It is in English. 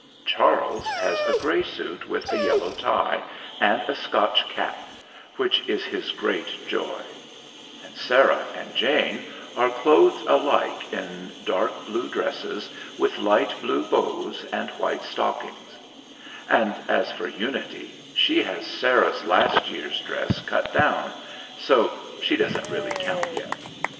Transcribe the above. Charles has a grey suit with a yellow tie and a Scotch cap, which is his great joy; and Sarah and Jane are clothed alike in dark blue dresses with light blue bows and white stockings; and as for Unity, she has Sarah's last year's dress cut down, so she doesn't really count yet.